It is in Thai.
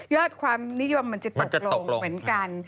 ความนิยมมันจะตกลงเหมือนกัน